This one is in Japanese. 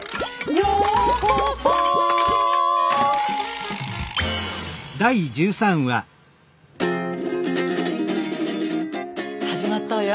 「ようこそ」始まったわよ。